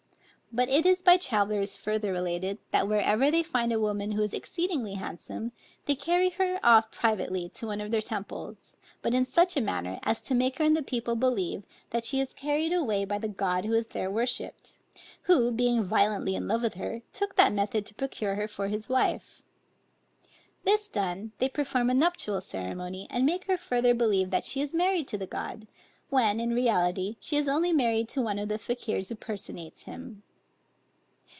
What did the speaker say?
But it is by travellers further related, that wherever they find a woman who is exceedingly handsome, they carry her off privately to one of their temples; but in such a manner, as to make her and the people believe, that she is carried away by the god who is there worshipped; who being violently in love with her, took that method to procure her for his wife. This done, they perform a nuptial ceremony, and make her further believe that she is married to the god; when, in reality, she is only married to one of the Fakiers who personates him.